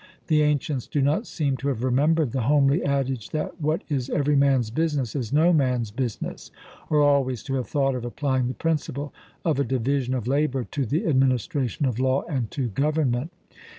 The ancients do not seem to have remembered the homely adage that, 'What is every man's business is no man's business,' or always to have thought of applying the principle of a division of labour to the administration of law and to government.